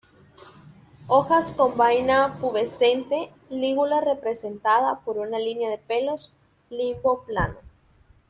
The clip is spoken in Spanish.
Hojas con vaina pubescente; lígula representada por una línea de pelos; limbo plano.